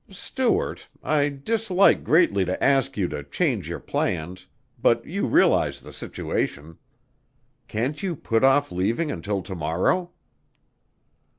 "Stuart, I dislike greatly to ask you to change your plans but you realize the situation. Can't you put off leaving until to morrow?"